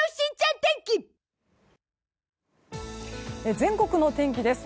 全国の天気です。